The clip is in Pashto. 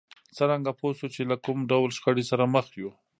څرنګه پوه شو چې له کوم ډول شخړې سره مخ يو؟